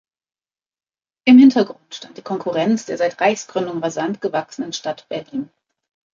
Im Hintergrund stand die Konkurrenz der seit der Reichsgründung rasant gewachsenen Stadt Berlin.